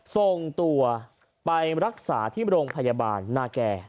ส่งตัวไปรักษาที่โรงพยาบาลนาแก่